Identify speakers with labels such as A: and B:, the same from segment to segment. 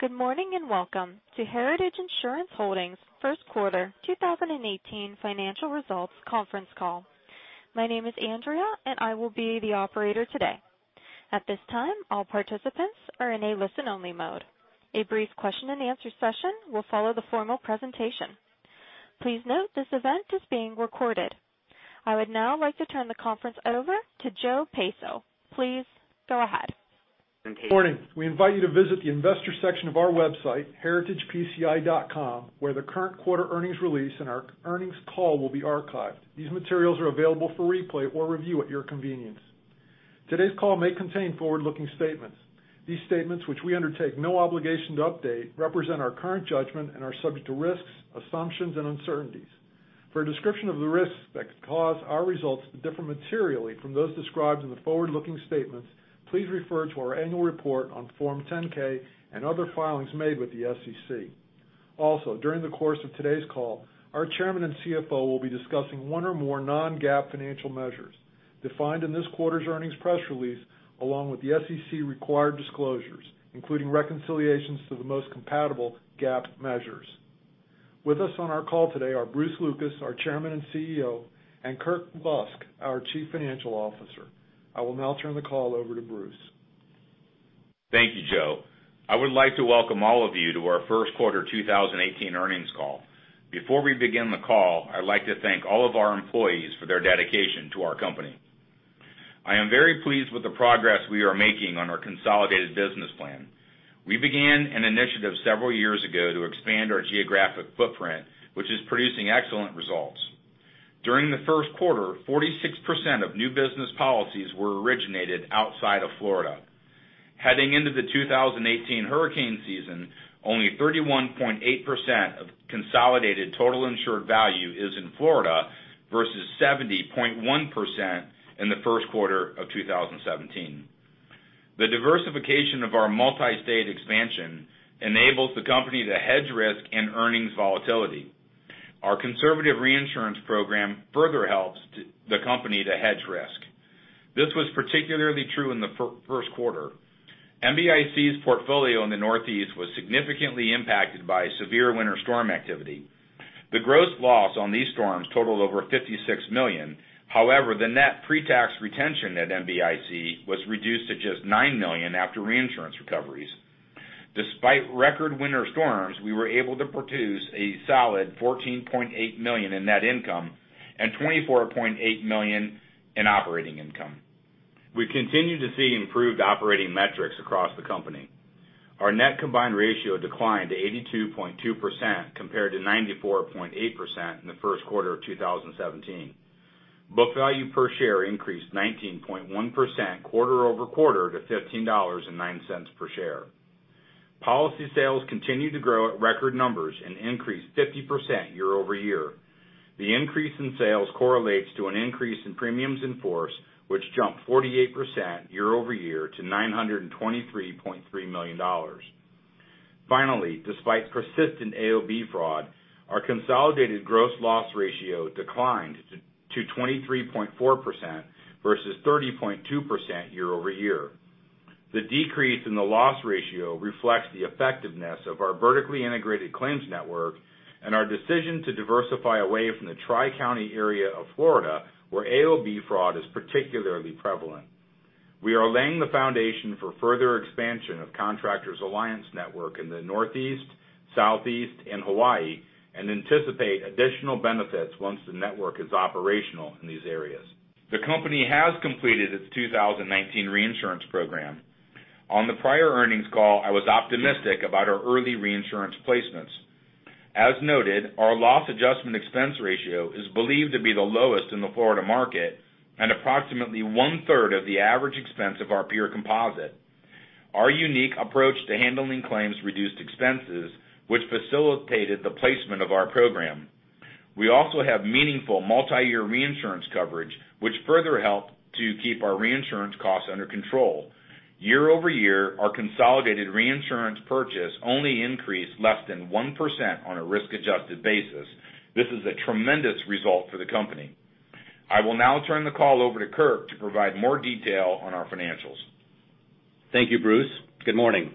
A: Good morning, and welcome to Heritage Insurance Holdings' first quarter 2018 financial results conference call. My name is Andrea, and I will be the operator today. At this time, all participants are in a listen-only mode. A brief question and answer session will follow the formal presentation. Please note this event is being recorded. I would now like to turn the conference over to Joe Peiso. Please go ahead.
B: Good morning. We invite you to visit the investor section of our website, heritagepci.com, where the current quarter earnings release and our earnings call will be archived. These materials are available for replay or review at your convenience. Today's call may contain forward-looking statements. These statements, which we undertake no obligation to update, represent our current judgment and are subject to risks, assumptions, and uncertainties. For a description of the risks that could cause our results to differ materially from those described in the forward-looking statements, please refer to our annual report on Form 10-K and other filings made with the SEC. Also, during the course of today's call, our Chairman and CFO will be discussing one or more non-GAAP financial measures defined in this quarter's earnings press release along with the SEC-required disclosures, including reconciliations to the most compatible GAAP measures. With us on our call today are Bruce Lucas, our Chairman and CEO, and Kirk Lusk, our Chief Financial Officer. I will now turn the call over to Bruce.
C: Thank you, Joe. I would like to welcome all of you to our first quarter 2018 earnings call. Before we begin the call, I'd like to thank all of our employees for their dedication to our company. I am very pleased with the progress we are making on our consolidated business plan. We began an initiative several years ago to expand our geographic footprint, which is producing excellent results. During the first quarter, 46% of new business policies were originated outside of Florida. Heading into the 2018 hurricane season, only 31.8% of consolidated total insured value is in Florida versus 70.1% in the first quarter of 2017. The diversification of our multi-state expansion enables the company to hedge risk and earnings volatility. Our conservative reinsurance program further helps the company to hedge risk. This was particularly true in the first quarter. NBIC's portfolio in the Northeast was significantly impacted by severe winter storm activity. The gross loss on these storms totaled over $56 million. However, the net pre-tax retention at NBIC was reduced to just $9 million after reinsurance recoveries. Despite record winter storms, we were able to produce a solid $14.8 million in net income and $24.8 million in operating income. We continue to see improved operating metrics across the company. Our net combined ratio declined to 82.2%, compared to 94.8% in the first quarter of 2017. Book value per share increased 19.1% quarter-over-quarter to $15.09 per share. Policy sales continued to grow at record numbers and increased 50% year-over-year. The increase in sales correlates to an increase in premiums in force, which jumped 48% year-over-year to $923.3 million. Despite persistent AOB fraud, our consolidated gross loss ratio declined to 23.4% versus 30.2% year-over-year. The decrease in the loss ratio reflects the effectiveness of our vertically integrated claims network and our decision to diversify away from the Tri-County area of Florida, where AOB fraud is particularly prevalent. We are laying the foundation for further expansion of Contractors Alliance Network in the Northeast, Southeast, and Hawaii and anticipate additional benefits once the network is operational in these areas. The company has completed its 2019 reinsurance program. On the prior earnings call, I was optimistic about our early reinsurance placements. As noted, our loss adjustment expense ratio is believed to be the lowest in the Florida market and approximately one-third of the average expense of our peer composite. Our unique approach to handling claims reduced expenses, which facilitated the placement of our program. We also have meaningful multi-year reinsurance coverage, which further helped to keep our reinsurance costs under control. Year-over-year, our consolidated reinsurance purchase only increased less than 1% on a risk-adjusted basis. This is a tremendous result for the company. I will now turn the call over to Kirk to provide more detail on our financials.
D: Thank you, Bruce. Good morning.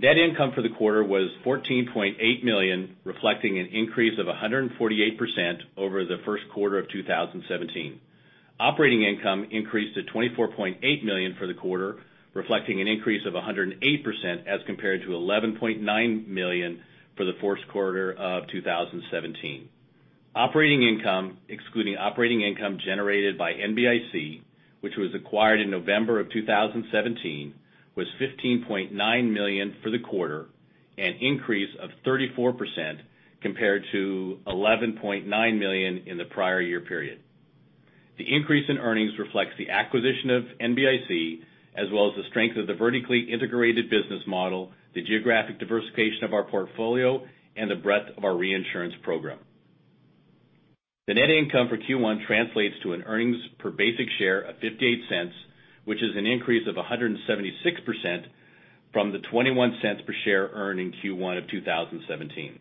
D: Net income for the quarter was $14.8 million, reflecting an increase of 148% over the first quarter of 2017. Operating income increased to $24.8 million for the quarter, reflecting an increase of 108%, as compared to $11.9 million for the first quarter of 2017. Operating income, excluding operating income generated by NBIC, which was acquired in November of 2017, was $15.9 million for the quarter, an increase of 34% compared to $11.9 million in the prior year period. The increase in earnings reflects the acquisition of NBIC, as well as the strength of the vertically integrated business model, the geographic diversification of our portfolio, and the breadth of our reinsurance program. The net income for Q1 translates to an earnings per basic share of $0.58, which is an increase of 176% from the $0.21 per share earned in Q1 of 2017.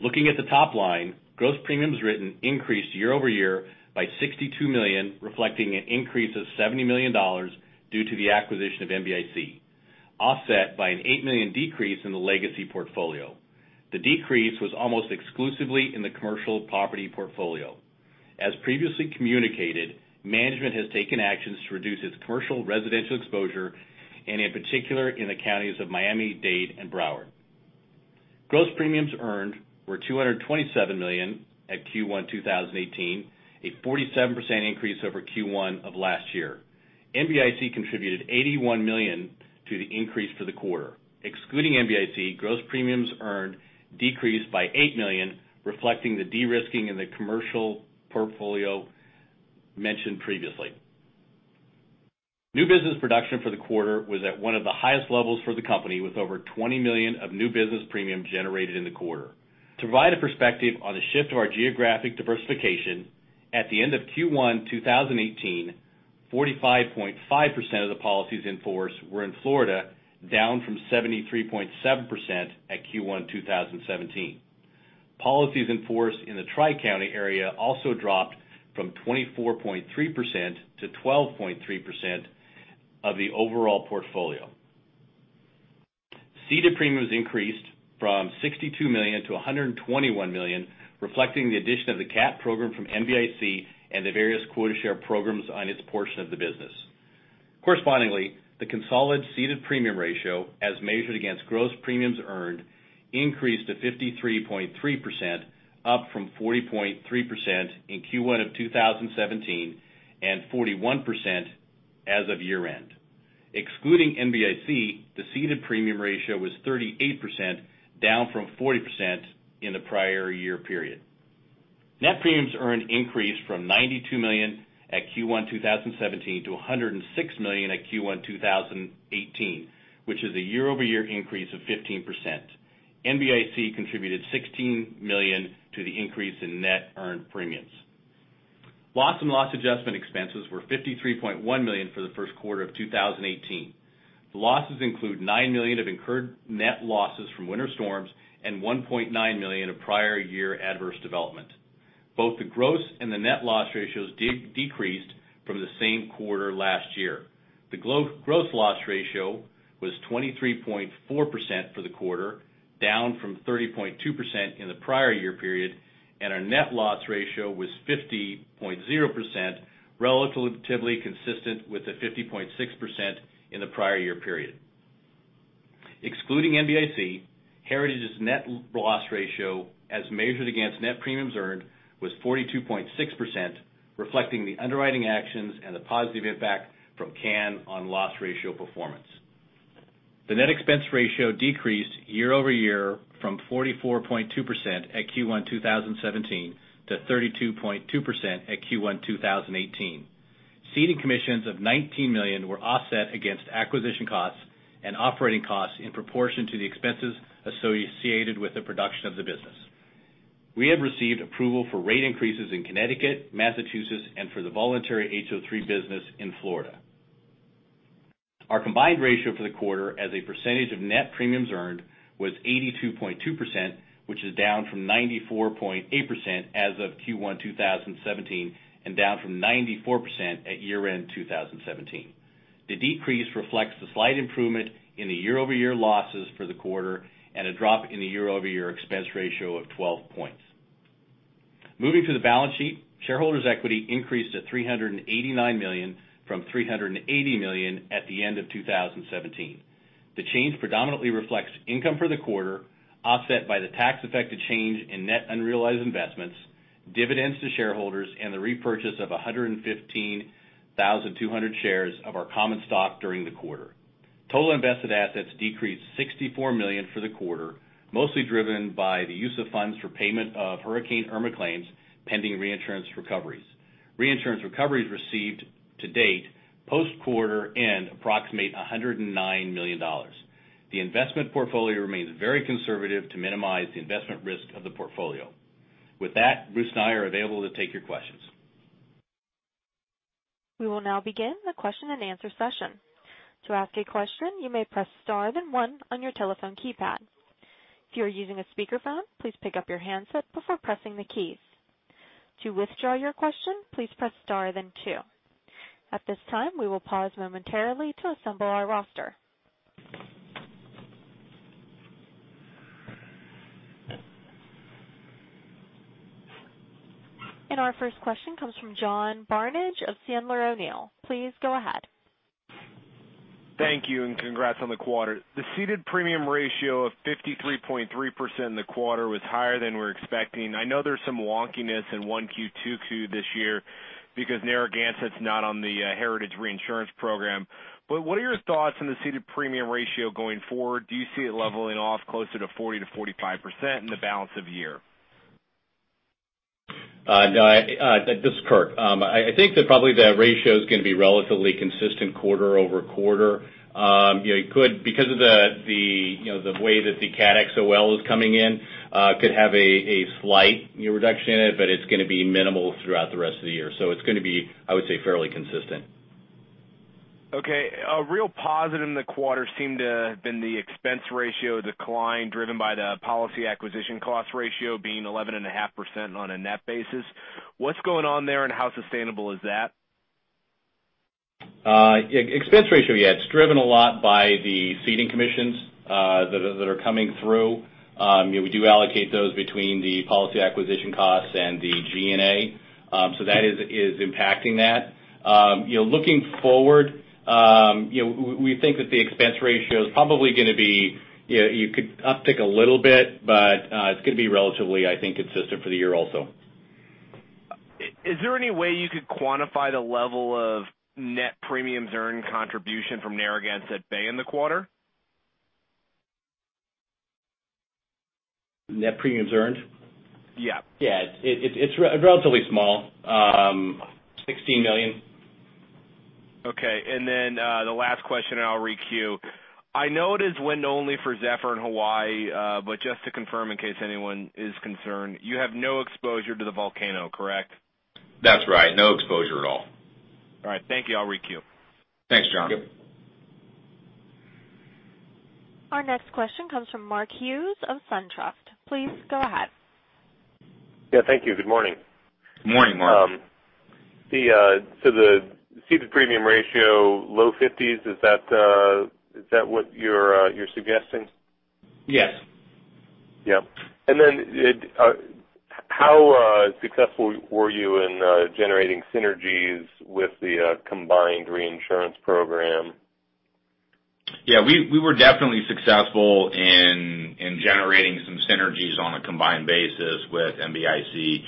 D: Looking at the top line, gross premiums written increased year-over-year by $62 million, reflecting an increase of $70 million due to the acquisition of NBIC, offset by an $8 million decrease in the legacy portfolio. The decrease was almost exclusively in the commercial property portfolio. As previously communicated, management has taken actions to reduce its commercial residential exposure, and in particular, in the counties of Miami-Dade and Broward. Gross premiums earned were $227 million at Q1 2018, a 47% increase over Q1 of last year. NBIC contributed $81 million to the increase for the quarter. Excluding NBIC, gross premiums earned decreased by $8 million, reflecting the de-risking in the commercial portfolio mentioned previously. New business production for the quarter was at one of the highest levels for the company, with over $20 million of new business premium generated in the quarter. To provide a perspective on the shift of our geographic diversification, at the end of Q1 2018, 45.5% of the policies in force were in Florida, down from 73.7% at Q1 2017. Policies in force in the Tri-County area also dropped from 24.3% to 12.3% of the overall portfolio. Ceded premiums increased from $62 million to $121 million, reflecting the addition of the cat program from NBIC and the various quota share programs on its portion of the business. Correspondingly, the consolidated ceded premium ratio, as measured against gross premiums earned, increased to 53.3%, up from 40.3% in Q1 of 2017 and 41% as of year-end. Excluding NBIC, the ceded premium ratio was 38%, down from 40% in the prior year period. Net premiums earned increased from $92 million at Q1 2017 to $106 million at Q1 2018, which is a year-over-year increase of 15%. NBIC contributed $16 million to the increase in net earned premiums. Loss and loss adjustment expenses were $53.1 million for the first quarter of 2018. The losses include $9 million of incurred net losses from winter storms and $1.9 million of prior year adverse development. Both the gross and the net loss ratios decreased from the same quarter last year. The gross loss ratio was 23.4% for the quarter, down from 30.2% in the prior year period, and our net loss ratio was 50.0%, relatively consistent with the 50.6% in the prior year period. Excluding NBIC, Heritage's net loss ratio, as measured against net premiums earned, was 42.6%, reflecting the underwriting actions and the positive impact from CAN on loss ratio performance. The net expense ratio decreased year-over-year from 44.2% at Q1 2017 to 32.2% at Q1 2018. Ceded commissions of $19 million were offset against acquisition costs and operating costs in proportion to the expenses associated with the production of the business. We have received approval for rate increases in Connecticut, Massachusetts, and for the voluntary HO3 business in Florida. Our combined ratio for the quarter as a percentage of net premiums earned was 82.2%, which is down from 94.8% as of Q1 2017 and down from 94% at year-end 2017. The decrease reflects the slight improvement in the year-over-year losses for the quarter and a drop in the year-over-year expense ratio of 12 points. Moving to the balance sheet, shareholders' equity increased to $389 million from $380 million at the end of 2017. The change predominantly reflects income for the quarter, offset by the tax effect of change in net unrealized investments, dividends to shareholders, and the repurchase of 115,200 shares of our common stock during the quarter. Total invested assets decreased $64 million for the quarter, mostly driven by the use of funds for payment of Hurricane Irma claims, pending reinsurance recoveries. Reinsurance recoveries received to date, post quarter end approximate $109 million. The investment portfolio remains very conservative to minimize the investment risk of the portfolio. With that, Bruce and I are available to take your questions.
A: We will now begin the question and answer session. To ask a question, you may press star then one on your telephone keypad. If you are using a speakerphone, please pick up your handset before pressing the keys. To withdraw your question, please press star then two. At this time, we will pause momentarily to assemble our roster. Our first question comes from John Barnidge of Sandler O'Neill. Please go ahead.
E: Thank you, congrats on the quarter. The ceded premium ratio of 53.3% in the quarter was higher than we were expecting. I know there's some wonkiness in 1Q2Q this year because Narragansett's not on the Heritage reinsurance program. What are your thoughts on the ceded premium ratio going forward? Do you see it leveling off closer to 40%-45% in the balance of the year?
D: This is Kirk. I think that probably the ratio is going to be relatively consistent quarter over quarter. Because of the way that the cat XOL is coming in, could have a slight reduction in it, but it's going to be minimal throughout the rest of the year. It's going to be, I would say, fairly consistent.
E: Okay. A real positive in the quarter seemed to have been the expense ratio decline driven by the policy acquisition cost ratio being 11.5% on a net basis. What's going on there? How sustainable is that?
D: Expense ratio, yeah. It's driven a lot by the ceding commissions that are coming through. We do allocate those between the policy acquisition costs and the G&A. That is impacting that. Looking forward, we think that the expense ratio is probably going to uptick a little bit, but it's going to be relatively, I think, consistent for the year also.
E: Is there any way you could quantify the level of net premiums earned contribution from Narragansett Bay in the quarter?
D: Net premiums earned?
E: Yeah.
D: Yeah. It's relatively small. $16 million.
E: Okay. The last question, I'll re-queue. I know it is wind only for Zephyr in Hawaii, but just to confirm in case anyone is concerned, you have no exposure to the volcano, correct?
C: That's right. No exposure at all.
E: All right. Thank you. I'll re-queue.
C: Thanks, John.
E: Yep.
A: Our next question comes from Mark Hughes of SunTrust. Please go ahead.
F: Yeah, thank you. Good morning.
C: Good morning, Mark.
F: The ceded premium ratio, low 50s, is that what you're suggesting?
C: Yes.
F: Yep. How successful were you in generating synergies with the combined reinsurance program?
C: Yeah, we were definitely successful in generating some synergies on a combined basis with NBIC.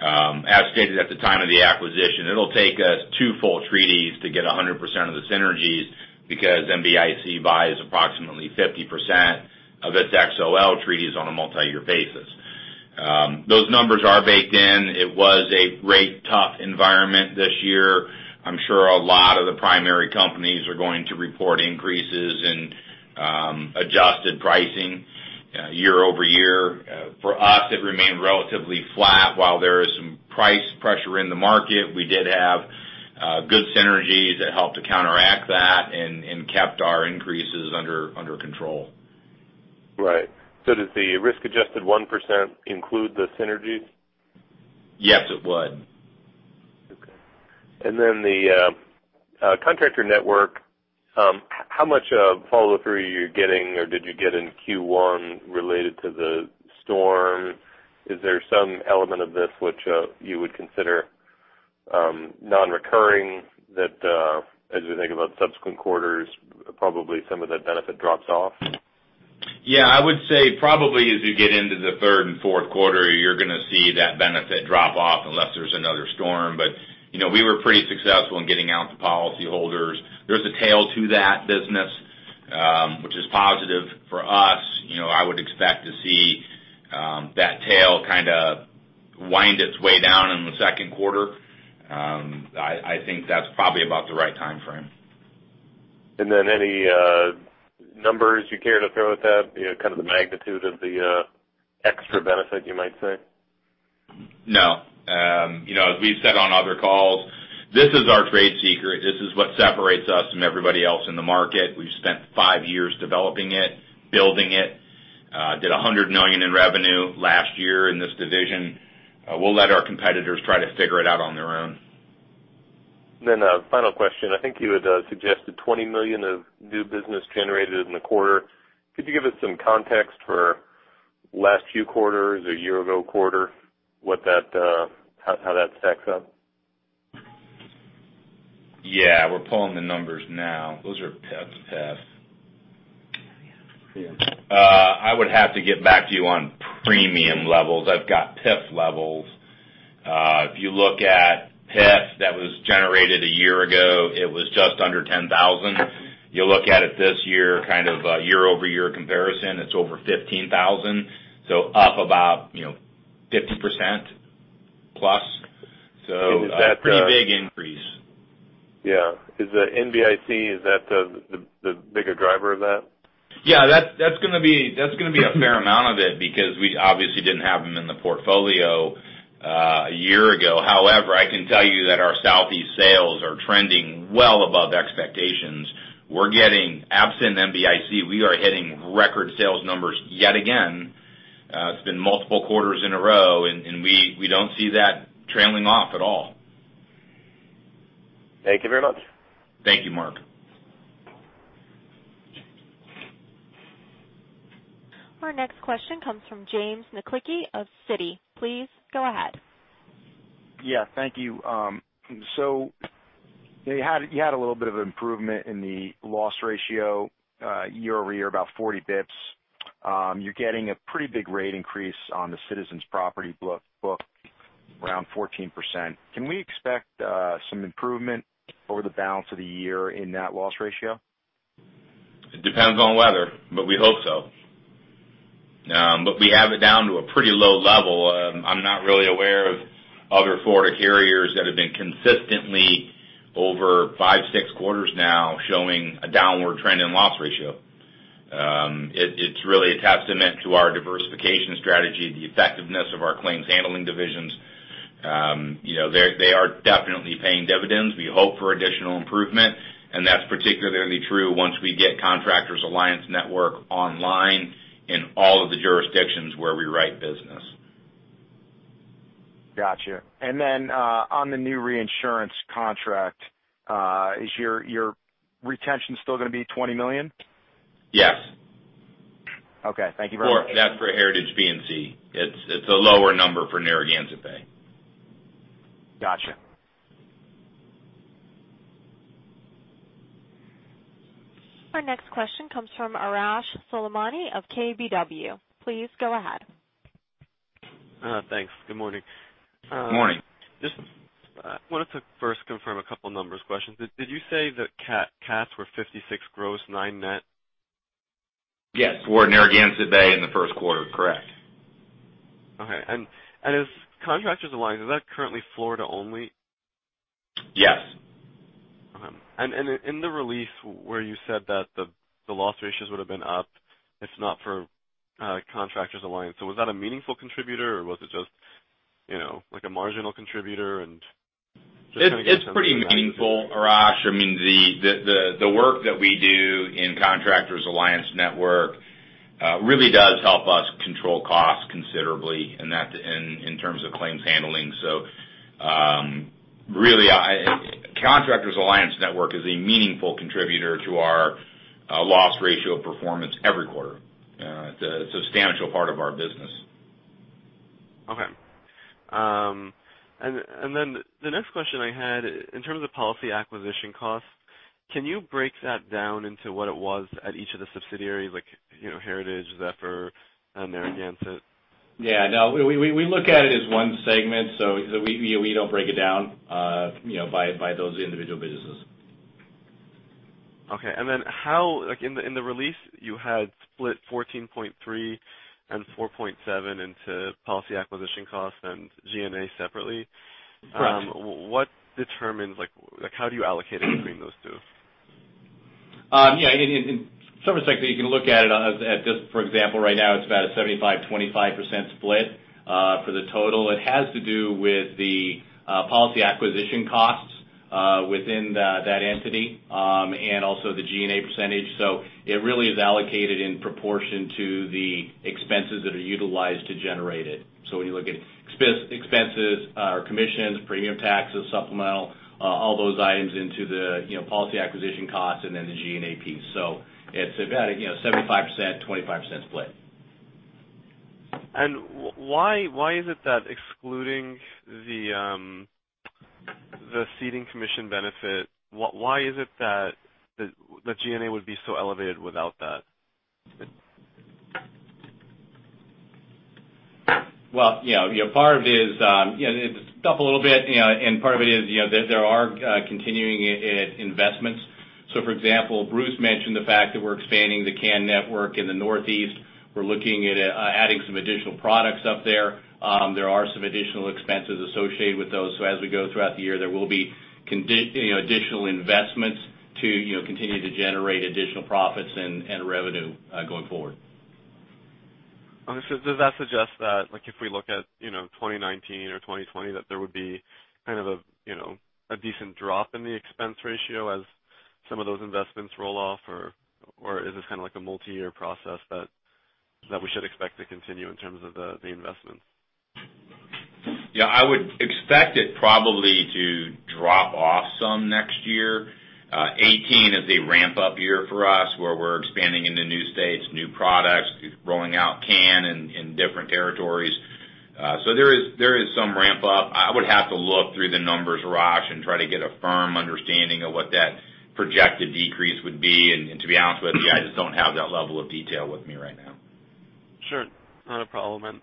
C: As stated at the time of the acquisition, it'll take us two full treaties to get 100% of the synergies because NBIC buys approximately 50% of its XOL treaties on a multi-year basis. Those numbers are baked in. It was a rate tough environment this year. I'm sure a lot of the primary companies are going to report increases in adjusted pricing year-over-year. For us, it remained relatively flat. While there is some price pressure in the market, we did have good synergies that helped to counteract that and kept our increases under control.
F: Right. Does the risk-adjusted 1% include the synergies?
C: Yes, it would.
F: Okay. The contractor network, how much follow-through are you getting or did you get in Q1 related to the storm? Is there some element of this which you would consider non-recurring, that as we think about subsequent quarters, probably some of that benefit drops off?
C: Yeah, I would say probably as we get into the third and fourth quarter, you're going to see that benefit drop off unless there's another storm. We were pretty successful in getting out to policyholders. There's a tail to that business, which is positive for us. I would expect to see that tail kind of wind its way down in the second quarter. I think that's probably about the right timeframe.
F: Any numbers you care to throw at that? Kind of the magnitude of the extra benefit, you might say?
C: No. As we've said on other calls, this is our trade secret. This is what separates us from everybody else in the market. We've spent five years developing it, building it, did $100 million in revenue last year in this division. We'll let our competitors try to figure it out on their own.
F: A final question. I think you had suggested $20 million of new business generated in the quarter. Could you give us some context for last few quarters, a year ago quarter, how that stacks up?
C: Yeah, we're pulling the numbers now. Those are PIF, PAF. I would have to get back to you on premium levels. I've got PIF levels. If you look at PIF that was generated a year ago, it was just under 10,000. You look at it this year, kind of a year-over-year comparison, it's over 15,000. Up about 50% plus. A pretty big increase.
F: Yeah. Is the NBIC, is that the bigger driver of that?
C: Yeah, that's going to be a fair amount of it because we obviously didn't have them in the portfolio a year ago. However, I can tell you that our Southeast sales are trending well above expectations. Absent NBIC, we are hitting record sales numbers yet again. It's been multiple quarters in a row, and we don't see that trailing off at all.
F: Thank you very much.
C: Thank you, Mark.
A: Our next question comes from James Maklicki of Citi. Please go ahead.
G: Yeah, thank you. You had a little bit of improvement in the loss ratio year-over-year, about 40 basis points. You're getting a pretty big rate increase on the Citizens property book, around 14%. Can we expect some improvement over the balance of the year in that loss ratio?
C: We hope so. We have it down to a pretty low level. I'm not really aware of other Florida carriers that have been consistently over five, six quarters now showing a downward trend in loss ratio It's really a testament to our diversification strategy, the effectiveness of our claims handling divisions. They are definitely paying dividends. We hope for additional improvement, and that's particularly true once we get Contractors Alliance Network online in all of the jurisdictions where we write business.
G: Got you. Then, on the new reinsurance contract, is your retention still going to be $20 million?
D: Yes.
G: Okay. Thank you very much.
D: That's for Heritage, NBIC. It's a lower number for Narragansett Bay.
G: Got you.
A: Our next question comes from Arash Soleimani of KBW. Please go ahead.
H: Thanks. Good morning.
D: Morning.
H: Just wanted to first confirm a couple numbers questions. Did you say that CATs were $56 gross, $9 net?
D: Yes, for Narragansett Bay in the first quarter, correct.
H: Okay. As Contractors Alliance, is that currently Florida only?
D: Yes.
H: Okay. In the release where you said that the loss ratios would've been up if not for Contractors Alliance. Was that a meaningful contributor or was it just like a marginal contributor?
D: It's pretty meaningful, Arash. I mean, the work that we do in Contractors Alliance Network really does help us control costs considerably in terms of claims handling. Really, Contractors Alliance Network is a meaningful contributor to our loss ratio performance every quarter. It's a substantial part of our business.
H: Okay. The next question I had, in terms of policy acquisition costs, can you break that down into what it was at each of the subsidiaries, like Heritage, Zephyr, Narragansett?
D: Yeah, no, we look at it as one segment, so we don't break it down by those individual businesses.
H: Okay. In the release, you had split 14.3 and 4.7 into policy acquisition costs and G&A separately.
D: Correct.
H: What determines how you allocate it between those two?
D: Yeah. In some respects you can look at it as, for example, right now it's about a 75%/25% split for the total. It has to do with the policy acquisition costs within that entity, and also the G&A percentage. It really is allocated in proportion to the expenses that are utilized to generate it. When you look at expenses or commissions, premium taxes, supplemental, all those items into the policy acquisition cost and then the G&A piece. It's about a 75%/25% split.
H: Why is it that excluding the ceding commission benefit, why is it that the G&A would be so elevated without that?
D: Well, part of it is it's up a little bit, and part of it is there are continuing investments. For example, Bruce mentioned the fact that we're expanding the CAN network in the Northeast. We're looking at adding some additional products up there. There are some additional expenses associated with those. As we go throughout the year, there will be additional investments to continue to generate additional profits and revenue going forward.
H: Okay. Does that suggest that if we look at 2019 or 2020, that there would be kind of a decent drop in the expense ratio as some of those investments roll off, or is this kind of like a multi-year process that we should expect to continue in terms of the investments?
D: Yeah, I would expect it probably to drop off some next year. 2018 is a ramp-up year for us, where we're expanding into new states, new products, rolling out CAN in different territories. There is some ramp up. I would have to look through the numbers, Arash, and try to get a firm understanding of what that projected decrease would be. To be honest with you, I just don't have that level of detail with me right now.
H: Sure. Not a problem.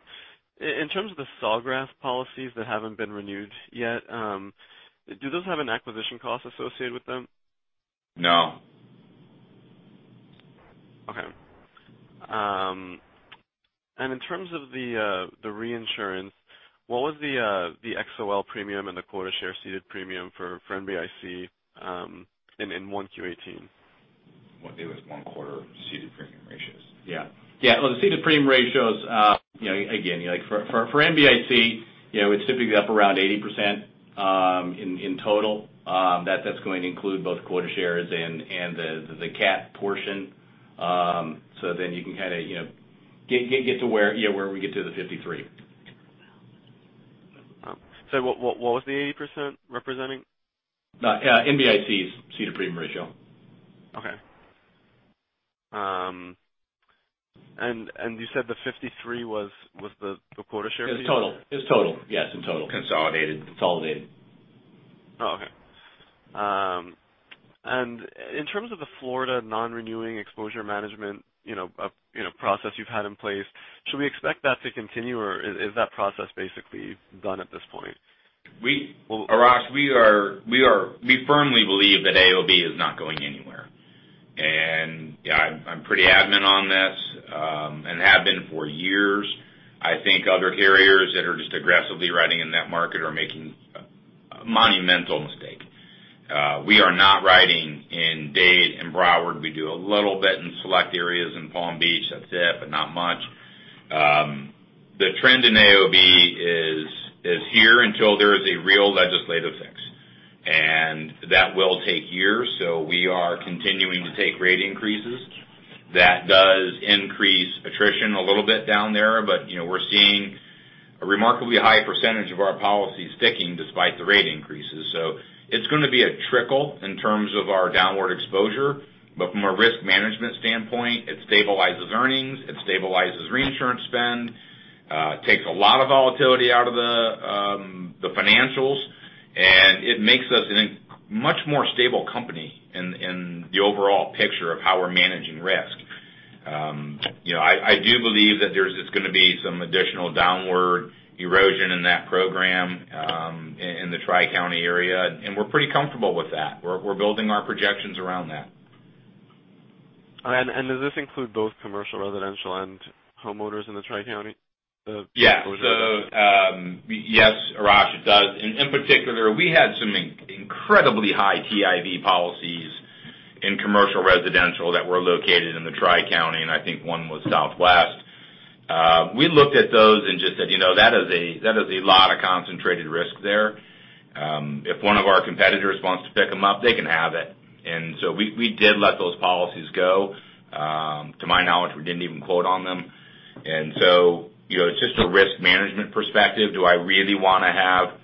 H: In terms of the Sawgrass policies that haven't been renewed yet, do those have an acquisition cost associated with them?
D: No.
H: Okay. In terms of the reinsurance, what was the XOL premium and the quota share ceded premium for NBIC in 1Q18?
D: What, it was one quarter ceded premium ratios. Yeah. Well, the ceded premium ratios, again, like for NBIC, it's typically up around 80% in total. That's going to include both quota shares and the CAT portion. You can kind of get to where we get to the 53.
H: What was the 80% representing?
D: NBIC's ceded premium ratio.
H: Okay. You said the 53 was the quota share premium?
D: It's total. Yes. In total.
C: Consolidated. Consolidated.
H: Oh, okay. In terms of the Florida non-renewing exposure management process you've had in place, should we expect that to continue, or is that process basically done at this point?
C: Arash, we firmly believe that AOB is not going anywhere. I'm pretty adamant on that. Have been for years. I think other carriers that are just aggressively writing in that market are making a monumental mistake. We are not writing in Dade and Broward. We do a little bit in select areas in Palm Beach. That's it, but not much. The trend in AOB is here until there is a real legislative fix, and that will take years, so we are continuing to take rate increases. That does increase attrition a little bit down there, but we're seeing a remarkably high percentage of our policies sticking despite the rate increases. It's going to be a trickle in terms of our downward exposure. From a risk management standpoint, it stabilizes earnings, it stabilizes reinsurance spend, takes a lot of volatility out of the financials, and it makes us a much more stable company in the overall picture of how we're managing risk. I do believe that there's just going to be some additional downward erosion in that program in the Tri-County area, and we're pretty comfortable with that. We're building our projections around that.
H: Does this include both commercial residential and homeowners in the Tri-County?
C: Yeah.
H: -exposure?
C: Yes, Arash, it does. In particular, we had some incredibly high TIV policies in commercial residential that were located in the Tri-County, and I think one was Southwest. We looked at those and just said, "That is a lot of concentrated risk there. If one of our competitors wants to pick them up, they can have it." We did let those policies go. To my knowledge, we didn't even quote on them. It's just a risk management perspective. Do I really want to have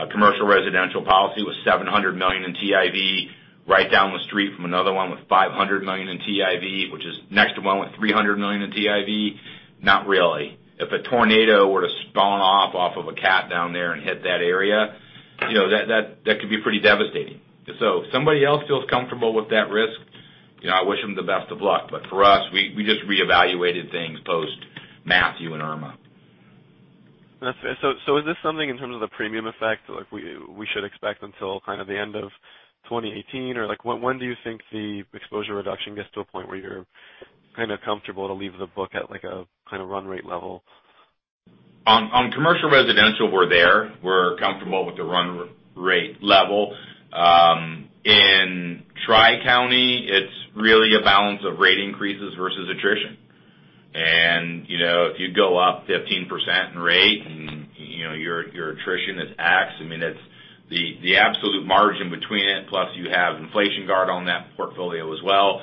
C: a commercial residential policy with $700 million in TIV right down the street from another one with $500 million in TIV, which is next to one with $300 million in TIV? Not really. If a tornado were to spawn off of a cat down there and hit that area, that could be pretty devastating. If somebody else feels comfortable with that risk, I wish them the best of luck. For us, we just reevaluated things post Matthew and Irma.
H: Is this something in terms of the premium effect, like we should expect until kind of the end of 2018? When do you think the exposure reduction gets to a point where you're kind of comfortable to leave the book at a run rate level?
C: On commercial residential, we're there. We're comfortable with the run rate level. In Tri-County, it's really a balance of rate increases versus attrition. If you go up 15% in rate and your attrition is X, the absolute margin between it, plus you have inflation guard on that portfolio as well,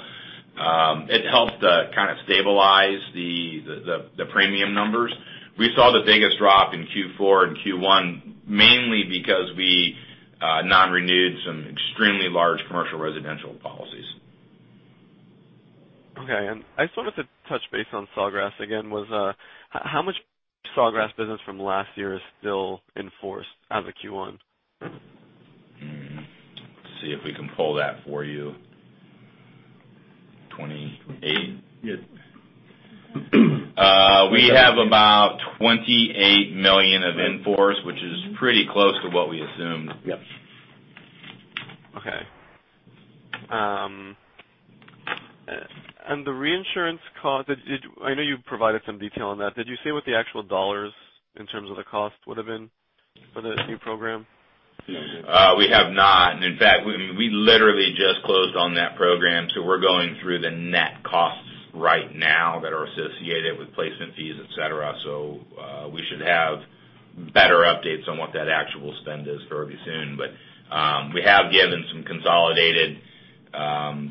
C: it helps to kind of stabilize the premium numbers. We saw the biggest drop in Q4 and Q1, mainly because we non-renewed some extremely large commercial residential policies.
H: Okay. I just wanted to touch base on Sawgrass again, how much Sawgrass business from last year is still in force as of Q1?
C: Let's see if we can pull that for you. 28?
H: Yeah.
C: We have about $28 million of in-force, which is pretty close to what we assumed.
H: Yep. Okay. The reinsurance cost, I know you provided some detail on that. Did you say what the actual dollars in terms of the cost would've been for the new program?
C: We have not. In fact, we literally just closed on that program. We're going through the net costs right now that are associated with placement fees, et cetera. We should have better updates on what that actual spend is fairly soon. We have given some consolidated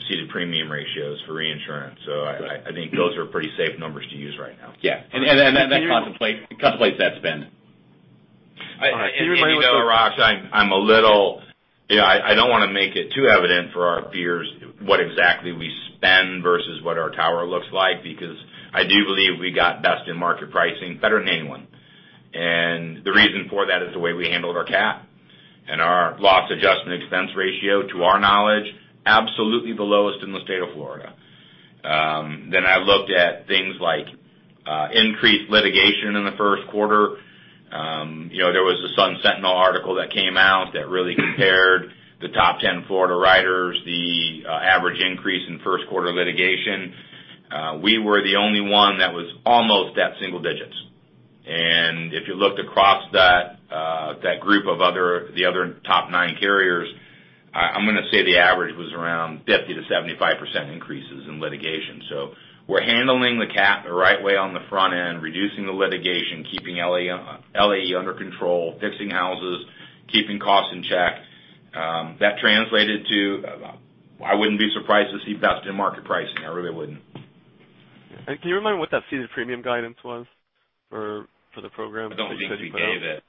C: ceded premium ratios for reinsurance, so I think those are pretty safe numbers to use right now.
D: Yeah. That contemplates that spend.
C: You know, Arash, I don't want to make it too evident for our peers what exactly we spend versus what our tower looks like, because I do believe we got best in market pricing, better than anyone. The reason for that is the way we handled our CAT and our loss adjustment expense ratio. To our knowledge, absolutely the lowest in the state of Florida. I looked at things like increased litigation in the first quarter. There was a Sun Sentinel article that came out that really compared the top 10 Florida writers, the average increase in first quarter litigation. We were the only one that was almost at single digits. If you looked across that group of the other top nine carriers, I'm going to say the average was around 50%-75% increases in litigation. We're handling the CAT the right way on the front end, reducing the litigation, keeping LAE under control, fixing houses, keeping costs in check. That translated to, I wouldn't be surprised to see best in market pricing. I really wouldn't.
H: Can you remind me what that ceded premium guidance was for the program that you said you put out?
C: I don't think we gave it.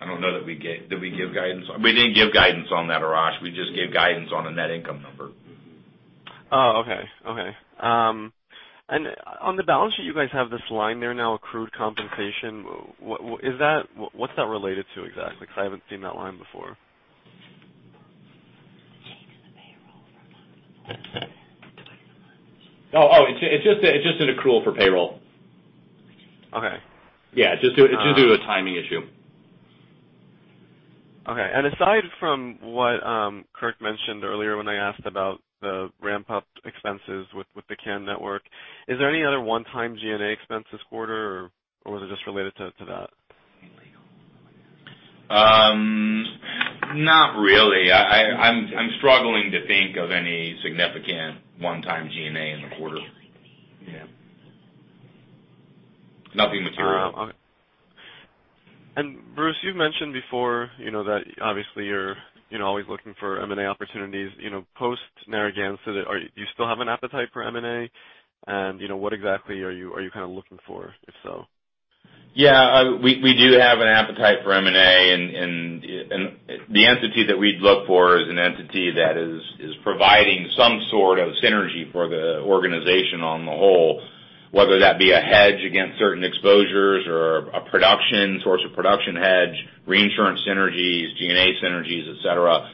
C: I don't know that we gave guidance on that, Arash. We just gave guidance on the net income number.
H: Okay. On the balance sheet, you guys have this line there now, accrued compensation. What is that related to exactly? I haven't seen that line before.
D: It's just an accrual for payroll.
H: Okay.
D: Yeah. It's just due to a timing issue.
H: Okay. Aside from what Kirk mentioned earlier when I asked about the ramp-up expenses with the CAN network, is there any other one-time G&A expense this quarter, or was it just related to that?
C: Not really. I'm struggling to think of any significant one-time G&A in the quarter.
H: Yeah.
C: Nothing material.
H: Bruce, you've mentioned before that obviously you're always looking for M&A opportunities. Post-Narragansett, do you still have an appetite for M&A? What exactly are you kind of looking for, if so?
C: Yeah, we do have an appetite for M&A, the entity that we'd look for is an entity that is providing some sort of synergy for the organization on the whole, whether that be a hedge against certain exposures or a source of production hedge, reinsurance synergies, G&A synergies, et cetera.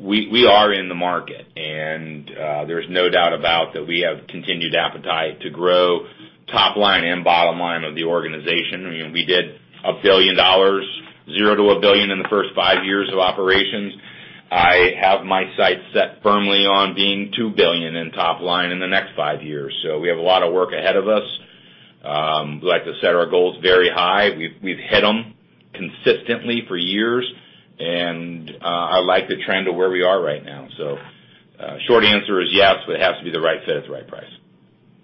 C: We are in the market there's no doubt about that we have continued appetite to grow top line and bottom line of the organization. We did $1 billion, $0 to $1 billion in the first five years of operations. I have my sights set firmly on being $2 billion in top line in the next five years. We have a lot of work ahead of us. We like to set our goals very high. We've hit them consistently for years, I like the trend of where we are right now. Short answer is yes, but it has to be the right fit at the right price.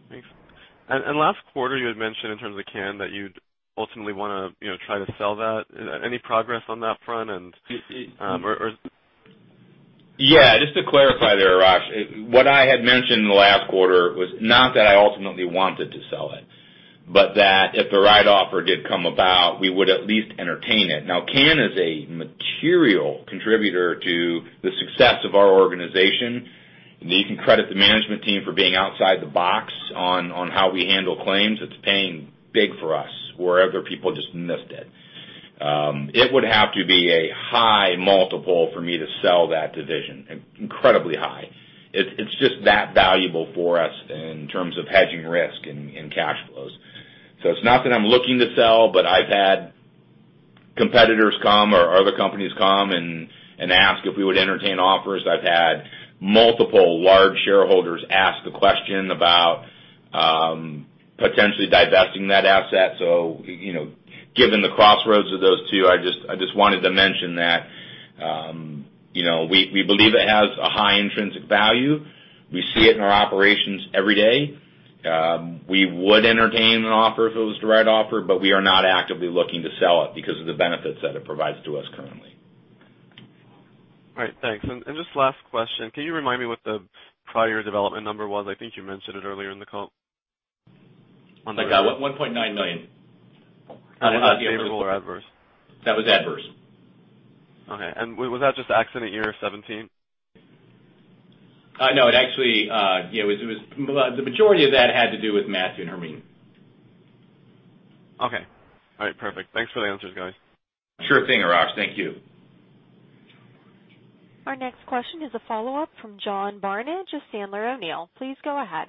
H: Thanks. Last quarter you had mentioned in terms of CAN, that you'd ultimately want to try to sell that. Any progress on that front?
C: Yeah, just to clarify there, Arash, what I had mentioned last quarter was not that I ultimately wanted to sell it, but that if the right offer did come about, we would at least entertain it. CAN is a material contributor to the success of our organization. You can credit the management team for being outside the box on how we handle claims. It's paying big for us where other people just missed it. It would have to be a high multiple for me to sell that division, incredibly high. It's just that valuable for us in terms of hedging risk and cash flows. It's not that I'm looking to sell, but I've had competitors come or other companies come and ask if we would entertain offers. I've had multiple large shareholders ask the question about potentially divesting that asset. Given the crossroads of those two, I just wanted to mention that we believe it has a high intrinsic value. We see it in our operations every day. We would entertain an offer if it was the right offer, but we are not actively looking to sell it because of the benefits that it provides to us currently.
H: All right. Thanks. Just last question. Can you remind me what the prior development number was? I think you mentioned it earlier in the call.
D: $1.9 million.
H: Was that favorable or adverse?
D: That was adverse.
H: Okay. Was that just accident year 2017?
D: No, the majority of that had to do with Matthew and Hermine.
H: Okay. All right, perfect. Thanks for the answers, guys.
C: Sure thing, Arash. Thank you.
A: Our next question is a follow-up from John Barnidge of Sandler O'Neill. Please go ahead.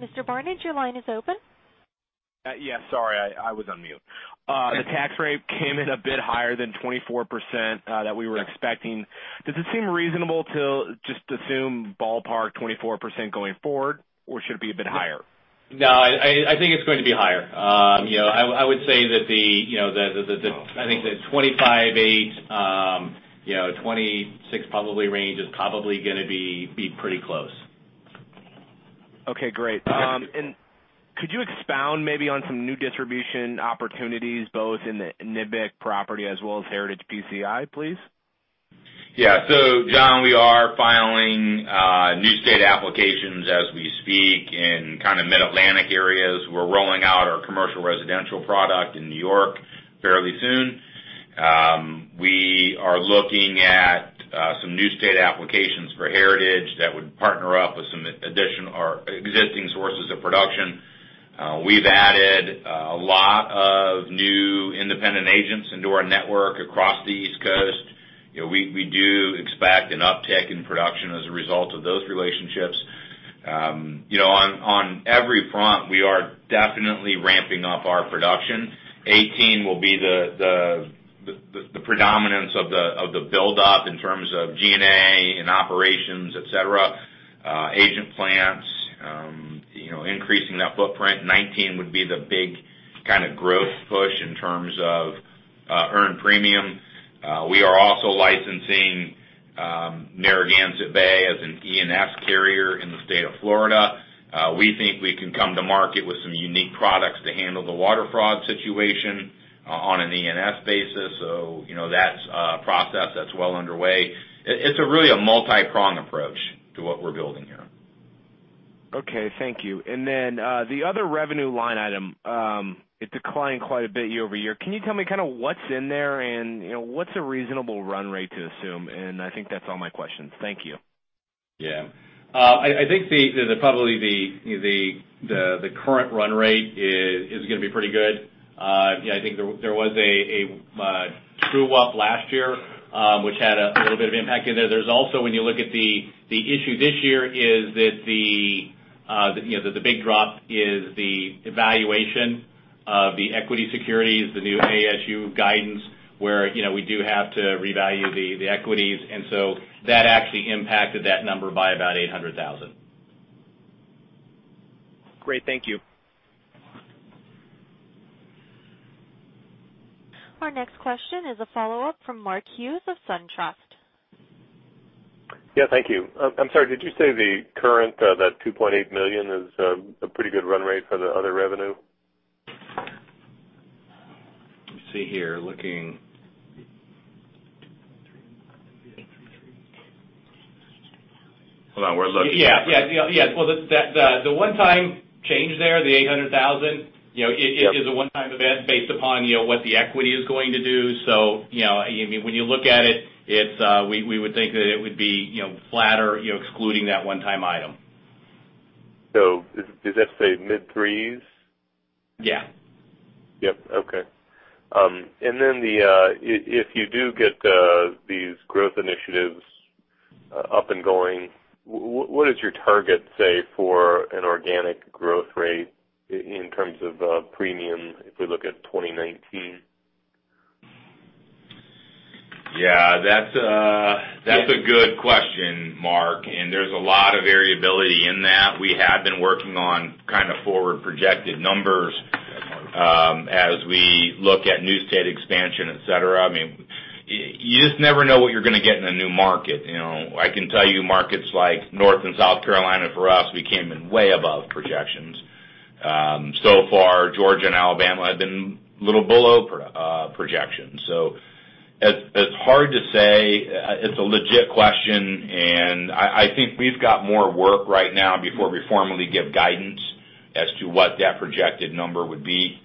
A: Mr. Barnidge, your line is open.
E: Yeah, sorry, I was on mute. The tax rate came in a bit higher than 24%, that we were expecting. Does it seem reasonable to just assume ballpark 24% going forward, or should it be a bit higher?
D: No, I think it's going to be higher. I would say that the 25.8%, 26% probably range is probably going to be pretty close.
E: Okay, great. Could you expound maybe on some new distribution opportunities both in the NBIC property as well as Heritage PCI, please?
C: John, we are filing new state applications as we speak in kind of Mid-Atlantic areas. We're rolling out our commercial residential product in New York fairly soon. We are looking at some new state applications for Heritage that would partner up with some existing sources of production. We've added a lot of new independent agents into our network across the East Coast. We do expect an uptick in production as a result of those relationships. On every front, we are definitely ramping up our production. 18 will be the predominance of the buildup in terms of G&A and operations, et cetera. Agent plans, increasing that footprint. 19 would be the big kind of growth push in terms of earned premium. We are also licensing Narragansett Bay as an E&S carrier in the state of Florida. We think we can come to market with some unique products to handle the water fraud situation on an E&S basis. That's a process that's well underway. It's really a multi-pronged approach to what we're building here.
E: Okay, thank you. Then, the other revenue line item, it declined quite a bit year-over-year. Can you tell me kind of what's in there and what's a reasonable run rate to assume? I think that's all my questions. Thank you.
D: Yeah. I think probably the current run rate is going to be pretty good. True up last year, which had a little bit of impact in there. There's also, when you look at the issue this year, is that the big drop is the evaluation of the equity securities, the new ASU guidance, where we do have to revalue the equities. That actually impacted that number by about 800,000.
E: Great. Thank you.
A: Our next question is a follow-up from Mark Hughes of SunTrust.
F: Yeah, thank you. I'm sorry, did you say the current, that $2.8 million is a pretty good run rate for the other revenue?
D: Let me see here, looking.
C: $2.3. Hold on, we're looking.
D: Yeah. The one time change there, the $800,000.
F: Yep.
D: Is a one-time event based upon what the equity is going to do. When you look at it, we would think that it would be flatter excluding that one-time item.
F: Does that say mid threes?
D: Yeah.
F: Yep. Okay. If you do get these growth initiatives up and going, what is your target, say, for an organic growth rate in terms of premium, if we look at 2019?
C: Yeah. That's a good question, Mark, there's a lot of variability in that. We have been working on kind of forward projected numbers as we look at new state expansion, et cetera. You just never know what you're going to get in a new market. I can tell you markets like North and South Carolina for us, we came in way above projections. Georgia and Alabama have been little below projections. It's hard to say. It's a legit question, I think we've got more work right now before we formally give guidance as to what that projected number would be.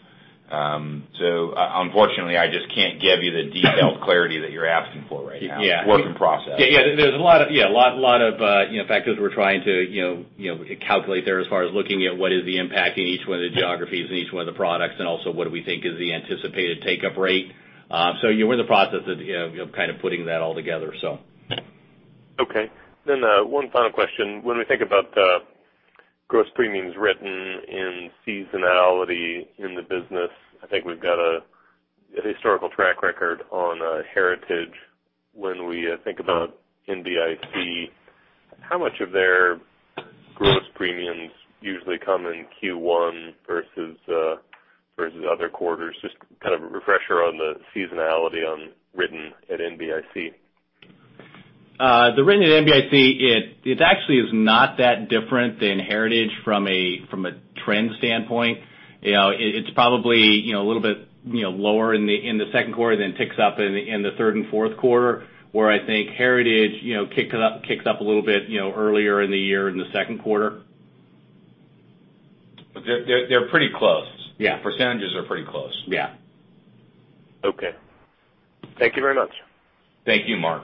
C: Unfortunately, I just can't give you the detailed clarity that you're asking for right now.
D: Yeah.
C: Work in process.
D: Yeah. There's a lot of factors we're trying to calculate there as far as looking at what is the impact in each one of the geographies and each one of the products, and also what do we think is the anticipated take-up rate. We're in the process of kind of putting that all together.
F: Okay. One final question. When we think about gross premiums written and seasonality in the business, I think we've got a historical track record on Heritage. When we think about NBIC, how much of their gross premiums usually come in Q1 versus other quarters? Just kind of a refresher on the seasonality on written at NBIC.
D: The written at NBIC, it actually is not that different than Heritage from a trend standpoint. It's probably a little bit lower in the second quarter, then ticks up in the third and fourth quarter, where I think Heritage kicks up a little bit earlier in the year in the second quarter.
C: They're pretty close.
D: Yeah.
C: The percentages are pretty close.
D: Yeah.
F: Okay. Thank you very much.
C: Thank you, Mark.